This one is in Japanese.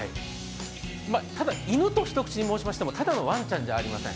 犬と一口に申しましても、ただのワンちゃんではありません。